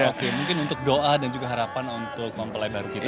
oke mungkin untuk doa dan juga harapan untuk mempelai baru kita